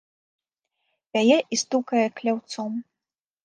Пяе і стукае кляўцом.